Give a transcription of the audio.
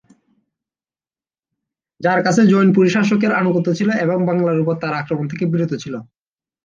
যার কাছে জৌনপুর শাসকের আনুগত্য ছিল, এবং বাংলার উপর তার আক্রমণ থেকে বিরত ছিল।